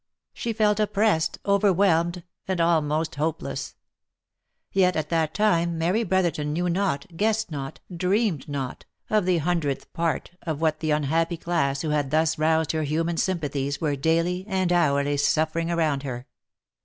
She felt oppressed, overwhelmed, and almost hopeless" Yet at that time Mary Brotherton knew not, guessed not, dreamed not, of the hundredth part of what the unhappy class who had thus roused her human sympathies, were daily and hourly suffering around her.